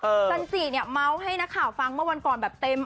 จันจิเนี่ยเมาส์ให้นักข่าวฟังเมื่อวันก่อนแบบเต็ม